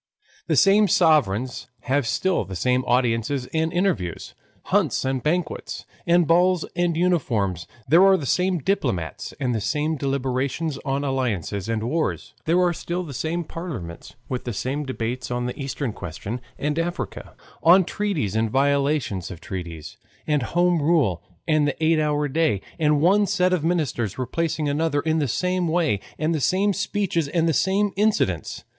The same sovereigns have still the same audiences and interviews, hunts and banquets, and balls and uniforms; there are the same diplomats and the same deliberations on alliances and wars; there are still the same parliaments, with the same debates on the Eastern question and Africa, on treaties and violations of treaties, and Home Rule and the eight hour day; and one set of ministers replacing another in the same way, and the same speeches and the same incidents.